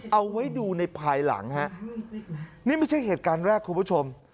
เอาไว้ดูในภายหลังฮะนี่ไม่ใช่เหตุการณ์แรกคุณผู้ชม